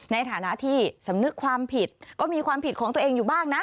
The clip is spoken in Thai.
ในฐานะที่สำนึกความผิดก็มีความผิดของตัวเองอยู่บ้างนะ